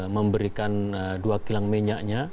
memberikan dua kilang minyaknya